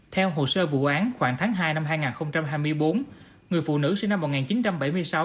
theo hồ sơ vụ án khoảng tháng hai năm hai nghìn hai mươi bốn người phụ nữ sinh năm một nghìn chín trăm bảy mươi sáu